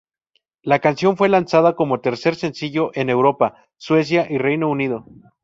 La canción fue lanzada como tercer sencillo en Europa, Suecia y Reino Unido.